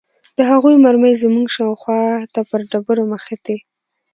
د هغوې مرمۍ زموږ شاوخوا ته پر ډبرو مښتې.